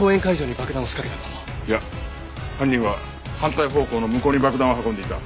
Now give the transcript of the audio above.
いや犯人は反対方向の向こうに爆弾を運んでいた。